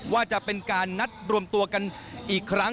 ว่าจะเป็นการนัดรวมตัวกันอีกครั้ง